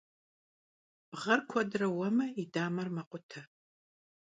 Bğer kuedre vueme yi damer mekhute.